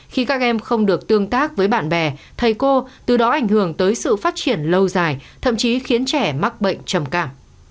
khi các em không được tương tác với bạn bè thầy cô từ đó ảnh hưởng tới sự phát triển lâu dài thậm chí khiến trẻ mắc bệnh trầm cảm